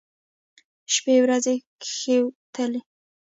شپې ورځې کښېوتلې.